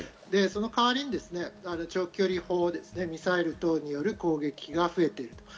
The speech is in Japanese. その代わりに長距離砲ミサイル等による攻撃が増えている。